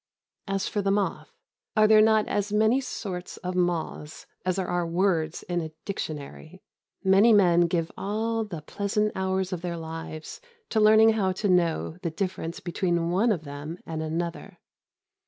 As for the moth, are there not as many sorts of moths as there are words in a dictionary? Many men give all the pleasant hours of their lives to learning how to know the difference between one of them and another.